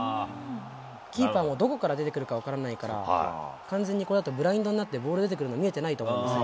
キーパーもどこから出てくるか分からないから、完全にこのあと、ブラインドになって、ボール出てくるの見えてないと思うんですよ。